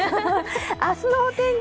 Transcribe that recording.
明日の天気